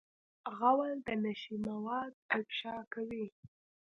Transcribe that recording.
غول د نشې مواد افشا کوي.